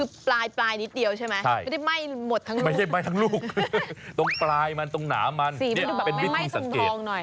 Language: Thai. คือปลายนิดเดียวใช่ไหมไม่ได้ไหม้หมดทั้งนั้นไม่ใช่ไหม้ทั้งลูกตรงปลายมันตรงหนามันเป็นวิธีสังเกต